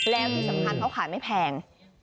แล้วที่สำคัญเขาขายไม่แพง